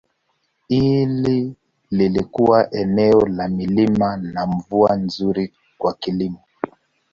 Hili lilikuwa eneo la milima na mvua nzuri kwa kilimo.